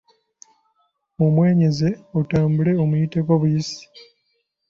Mumwenyeze otambule omuyiteko buyisi.